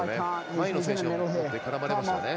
前の選手が絡まれましたね。